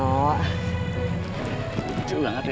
lucu banget ya